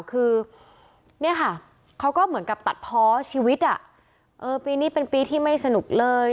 คือเนี่ยค่ะเขาก็เหมือนกับตัดเพาะชีวิตอ่ะเออปีนี้เป็นปีที่ไม่สนุกเลย